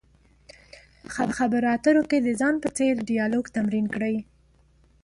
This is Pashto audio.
په خبرو اترو کې د ځان په څېر ډیالوګ تمرین کړئ.